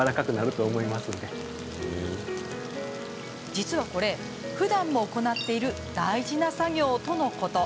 実はこれ、ふだんも行っている大事な作業とのこと。